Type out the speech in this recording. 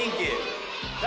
誰？